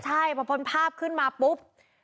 ใช่พอพ้นภาพขึ้นมาปุ๊บ